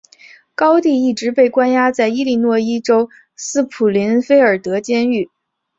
高蒂一直被关押在伊利诺斯州斯普林菲尔德监狱。